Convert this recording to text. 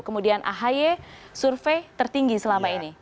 kemudian ahy survei tertinggi selama ini